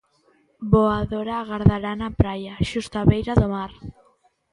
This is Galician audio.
Voadora agardará na praia, xusto á beira do mar.